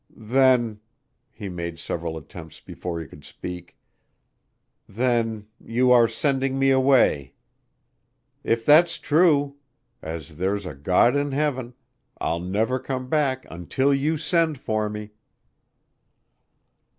"Then " he made several attempts before he could speak "then you are sending me away. If that's true as there's a God in Heaven, I'll never come back until you send for me."